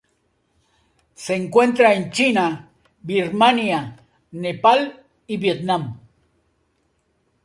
Se encuentra en China, Birmania, Nepal y Vietnam.